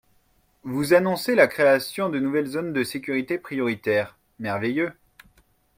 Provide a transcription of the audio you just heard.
Vous annoncez la création de nouvelles zones de sécurité prioritaire, merveilleux